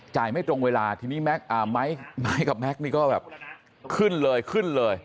ไม่ตรงเวลาทีนี้ไม้กับแก๊กนี่ก็แบบขึ้นเลยขึ้นเลย